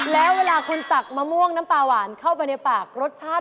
แล้วเวลาคุณตักมะม่วงน้ำปลาหวานเข้าไปในปากรสชาติ